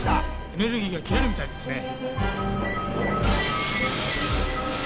エネルギーが切れるみたいですね。